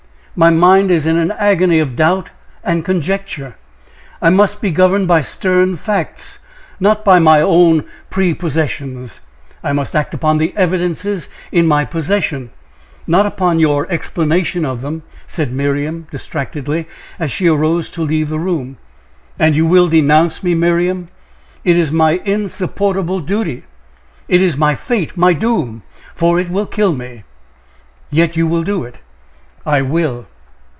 My mind is in an agony of doubt and conjecture. I must be governed by stern facts not by my own prepossessions. I must act upon the evidences in my possession not upon your explanation of them," said Miriam, distractedly, as she arose to leave the room. "And you will denounce me, Miriam?" "It is my insupportable duty! it is my fate! my doom! for it will kill me!" "Yet you will do it!" "I will."